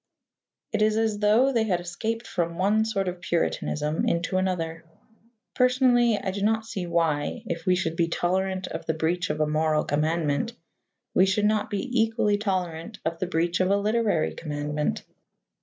It is as though they had escaped from one sort of Puritanism into another. Personally, I do not see why, if we should be tolerant of the breach of a moral commandment, we should not be equally tolerant of the breach of a literary commandment.